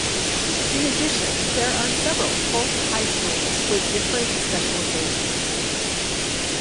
In addition, there are several folk high schools with different specialisations.